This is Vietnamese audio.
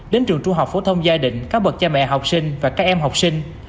đến trường trung học phổ thông gia đình cáo bật cha mẹ học sinh và các em học sinh